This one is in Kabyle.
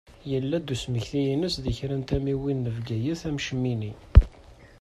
Yella-d usmekti-ines deg kra n tamiwin n Bgayet am Cmini.